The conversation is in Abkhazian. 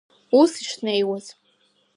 Ус ишнеиуаз…